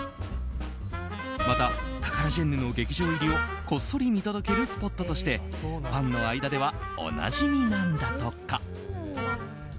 また、タカラジェンヌの劇場入りをこっそり見届けるスポットとしてファンの間ではおなじみなんだとか。